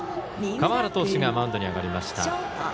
川原投手がマウンドに上がりました。